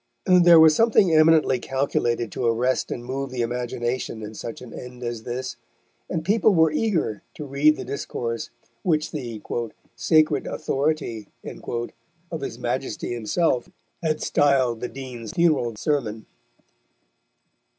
There was something eminently calculated to arrest and move the imagination in such an end as this, and people were eager to read the discourse which the "sacred authority" of his Majesty himself had styled the Dean's funeral sermon.